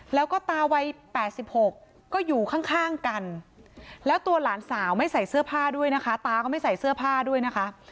แล้วก็ตาวัย๘๖ก็อยู่ข้างกันแล้วตัวหลานสาวไม่ใส่เสื้อผ้าด้วยนะคะ